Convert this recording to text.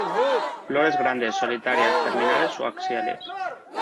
Flores grandes, solitarias, terminales o axiales.